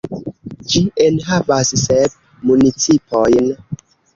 Ĝi enhavas sep municipojn.